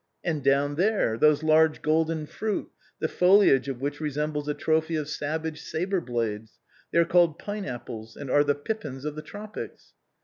" And down there — those large golden fruit, the foliage of which resembles a trophy of savage sabre blades ! they are called pine apples, and are the pippins of the tropics."